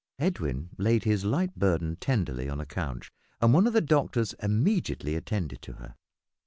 Edwin laid his light burden tenderly on a couch and one of the doctors immediately attended to her.